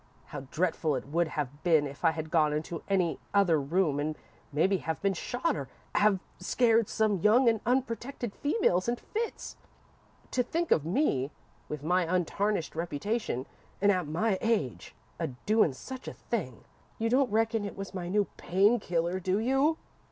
How dretful it would have been if I had gone into any other room and mebbe have been shot or have scared some young and unprotected female into fits. To think of me, with my untarnished reputation, and at my age, a doin' such a thing! You don't reckon it was my new pain killer, do you?"